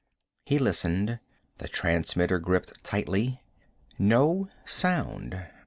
He listened, the transmitter gripped tightly. No sound.